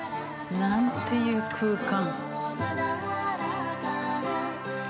なんていう空間。